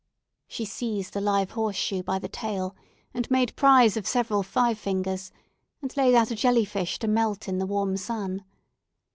She seized a live horse shoe by the tail, and made prize of several five fingers, and laid out a jelly fish to melt in the warm sun.